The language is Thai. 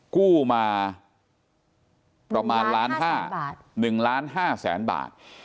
กู้มาประมาณ๑๕๐๐๐๐๐บาท